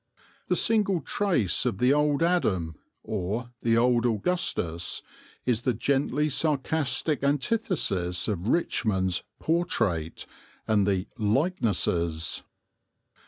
The single trace of the old Adam, or the old Augustus, is the gently sarcastic antithesis of Richmond's "portrait" and the "likenesses."